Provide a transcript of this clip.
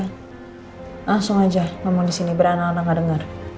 langsung aja ngomong disini berana ana gak denger